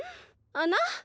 あな？